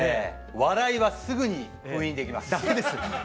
笑いはすぐに封印できます。